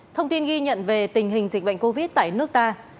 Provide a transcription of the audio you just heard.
thông tin ghi nhận về tình hình dịch bệnh covid tại nước ta